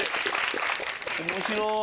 面白い！